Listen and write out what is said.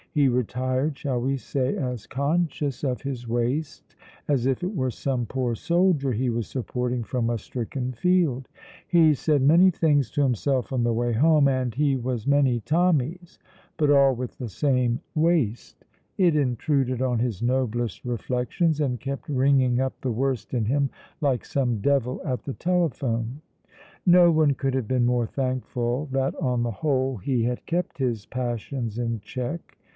He retired, shall we say, as conscious of his waist as if it were some poor soldier he was supporting from a stricken field. He said many things to himself on the way home, and he was many Tommies, but all with the same waist. It intruded on his noblest reflections, and kept ringing up the worst in him like some devil at the telephone. No one could have been more thankful that on the whole he had kept his passions in check.